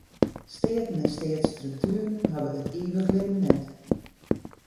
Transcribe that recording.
Steaten en steatsstruktueren hawwe it ivige libben net.